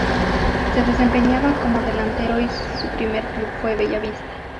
Se desempeñaba como delantero y su primer club fue Bella Vista.